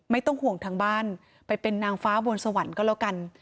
ไม่ต้องห่วงทางบ้านไปเป็นนางฟ้าบนสวรรค์ก็แล้วกัน